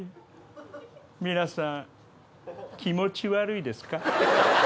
皆さん気持ち悪いですか？